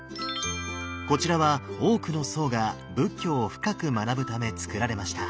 こちらは多くの僧が仏教を深く学ぶため造られました。